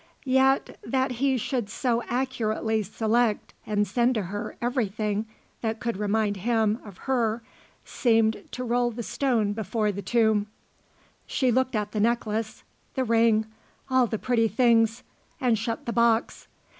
Yet that he should so accurately select and send to her everything that could remind him of her seemed to roll the stone before the tomb. She looked at the necklace, the ring, all the pretty things, and shut the box.